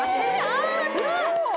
あすごい！